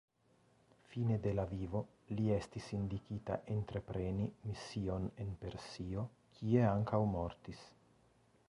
Fine de la vivo li estis indikita entrepreni mision en Persio, kie ankaŭ mortis.